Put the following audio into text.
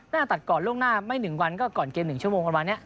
ตัดก่อนล่วงหน้าไม่๑วันก็ก่อนเกม๑ชั่วโมงประมาณนี้